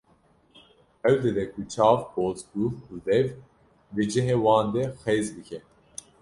Hewl dide ku çav, poz, guh û dev di cihê wan de xêz bike.